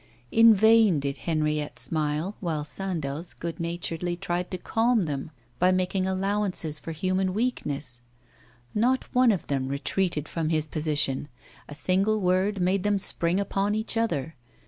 In vain did Henriette smile, while Sandoz good naturedly tried to calm them by making allowances for human weakness. Not one of them retreated from his position; a single word made them spring upon each other.